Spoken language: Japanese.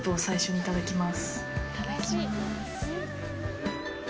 いただきます。